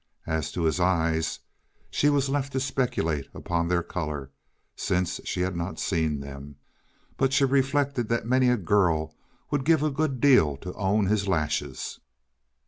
As to his eyes, she was left to speculate upon their color, since she had not seen them, but she reflected that many a girl would give a good deal to own his lashes.